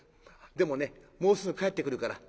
でもねもうすぐ帰ってくるから。